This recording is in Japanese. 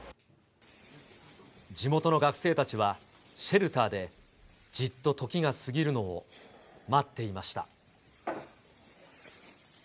地元の学生たちは、シェルターでじっと時が過ぎるのを待っていました。